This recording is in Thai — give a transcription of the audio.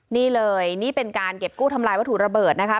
นี่เลยนี่เป็นการเก็บกู้ทำลายวัตถุระเบิดนะคะ